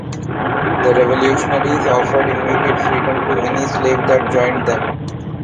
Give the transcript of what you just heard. The revolutionaries offered immediate freedom to any slave that joined them.